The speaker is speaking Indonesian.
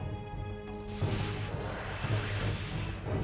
ya pak kata mba